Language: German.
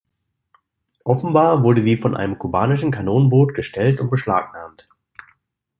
Offenbar wurde sie von einem kubanischen Kanonenboot gestellt und beschlagnahmt.